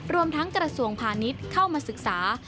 รวมทั้งกระทรวงพาณิชย์เข้ามาศึกษา